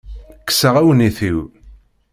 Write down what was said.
Kkseɣ awennit-iw.